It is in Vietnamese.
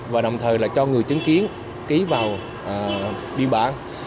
và đồng thời là cho người chứng kiến ký vào biên bản